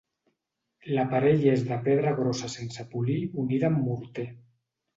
L'aparell és de pedra grossa sense polir unida amb morter.